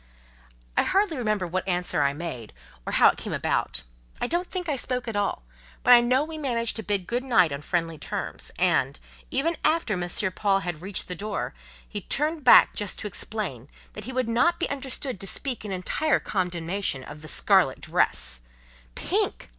I hardly remember what answer I made, or how it came about; I don't think I spoke at all, but I know we managed to bid good night on friendly terms: and, even after M. Paul had reached the door, he turned back just to explain, "that he would not be understood to speak in entire condemnation of the scarlet dress" ("Pink!